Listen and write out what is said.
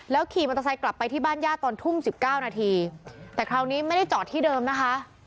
แล้วขี่มันกระทรายกลับไปที่บ้านญาติตอนทุ่มสิบเก้านาทีแต่คราวนี้ไม่ได้จอดที่เดิมนะคะ